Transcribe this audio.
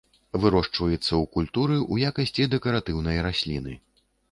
Вырошчваецца ў культуры ў якасці дэкаратыўнай расліны.